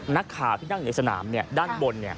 นักข่าวที่นั่งอยู่ในสนามด้านบน